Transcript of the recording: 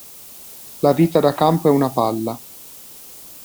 La vita da campo è una palla.